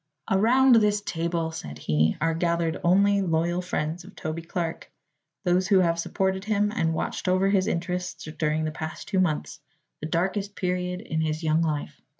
"Around this table," said he, "are gathered only loyal friends of Toby Clark those who have supported him and watched over his interests during the past two months, the darkest period in his young life.